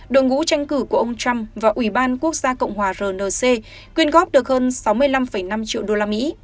đồng ngũ tranh cử của ông trump và ủy ban quốc gia cộng hòa rnc quyên góp được hơn sáu mươi năm năm triệu usd